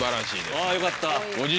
あよかった。